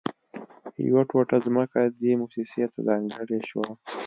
يوه ټوټه ځمکه دې مؤسسې ته ځانګړې شوه